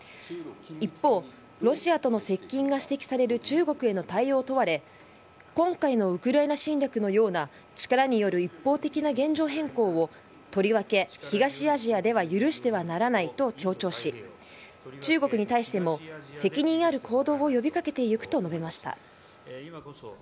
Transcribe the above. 一方、ロシアとの接近が指摘される中国への対応を問われ、今回のウクライナ侵略のような力による一方的な現状変更を、とりわけ東アジアでは許してはならないと強調し、中国に対しても、責任ある行動を呼びかけてゆくと述べました。